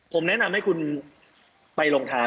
ผมแนะนำให้คุณไปลงทาน